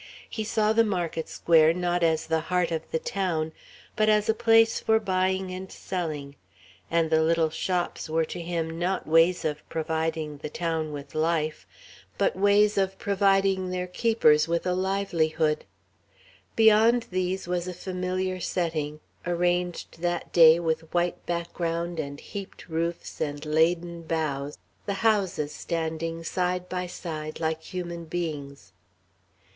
He saw the market square, not as the heart of the town, but as a place for buying and selling, and the little shops were to him not ways of providing the town with life, but ways of providing their keepers with a livelihood. Beyond these was a familiar setting, arranged that day with white background and heaped roofs and laden boughs, the houses standing side by side, like human beings.